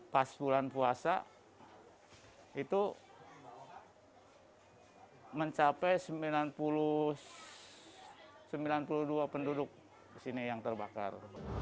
pas bulan puasa itu mencapai sembilan puluh dua penduduk di sini yang terbakar